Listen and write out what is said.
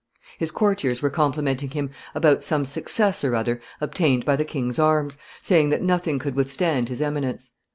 His courtiers were complimenting him about some success or other obtained by the king's arms, saying that nothing could withstand his Eminence.